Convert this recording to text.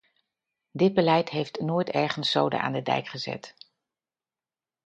Dit beleid heeft nooit ergens zoden aan de dijk gezet.